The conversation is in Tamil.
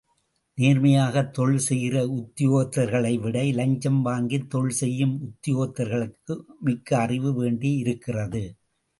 நேர்மையாகத் தொழில் செய்கிற உத்தியோகத்தர்களைவிட, இலஞ்சம் வாங்கித் தொழில் செய்யும் உத்தியோகத்தர்களுக்கு மிக்க அறிவு வேண்டியிருக்கிறது.